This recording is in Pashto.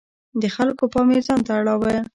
د خلکو پام یې ځانته اړاوه.